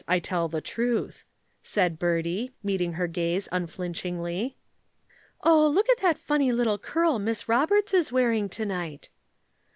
I tell the truth," said Bertie, meeting her gaze unflinchingly. "Oh, look at that funny little curl Miss Roberts is wearing to night!"